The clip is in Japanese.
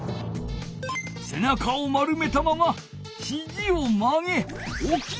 せなかを丸めたままひじをまげおき上がる。